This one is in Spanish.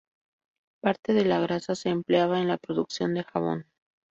Parte de la grasa se empleaba en la producción de jabón.